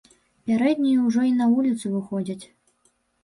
Пярэднія ўжо й на вуліцу выходзяць.